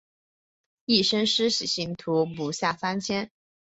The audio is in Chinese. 一生施洗信徒不下三千。